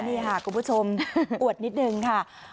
นี่ค่ะคุณผู้ชมอวดนิดนึงค่ะ